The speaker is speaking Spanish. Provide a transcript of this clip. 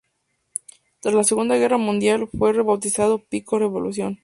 Tras la Segunda Guerra Mundial fue rebautizado "pico Revolución".